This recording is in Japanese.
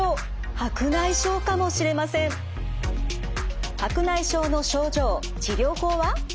白内障の症状治療法は？